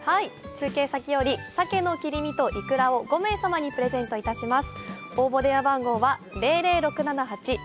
中継先よりサケの切り身といくらを５名様にプレゼントいたします。